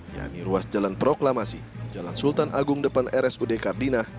yakni ruas jalan proklamasi jalan sultan agung depan rsud kardinah